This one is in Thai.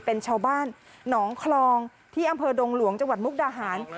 เป็นชาวบ้านหนองคลองที่อำเภอดงหลวงจังหวัดมุกดาหาร